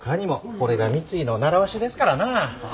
これが三井の習わしですからな。は？